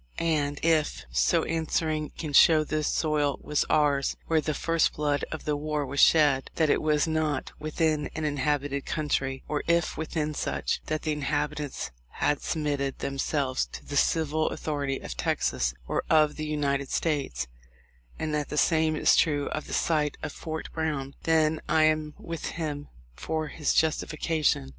And if, so answering, he can show the soil was ours where the first blood of the war was shed ; that it was not within an inhabited country, or if within such; that the inhabitants had submitted themselves to the civil authority of Texas or of the United States; and that the same is true of the site of Fort Brown, then I am with him for his justification